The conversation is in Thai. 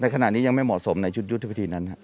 ในขณะนี้ยังไม่เหมาะสมในยุทธิพิธีนั้น